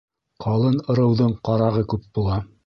Ҡалын ырыуҙың ҡарағы күп була.